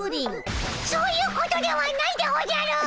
そういうことではないでおじゃる！